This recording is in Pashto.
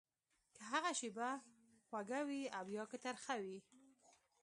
که هغه شېبه خوږه وي او يا که ترخه وي.